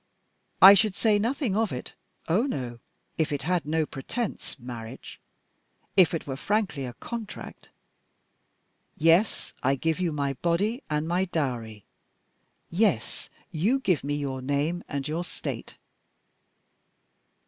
I should say nothing of it oh no! if it had no pretence marriage. If it were frankly a contract 'Yes, I give you my body and my dowry.' 'Yes, you give me your name and your state.'